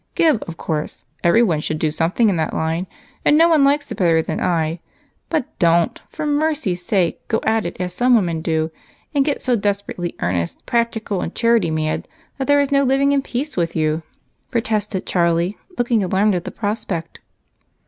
Give, of course everyone should do something in that line and no one likes it better than I. But don't, for mercy's sake, go at it as some women do and get so desperately earnest, practical, and charity mad that there is no living in peace with you," protested Charlie, looking alarmed at the prospect.